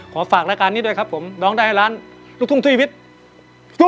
ขอฝากราการนี้ด้วยครับผมร้องได้ให้ล้านลูกทุ่งทุยวิทย์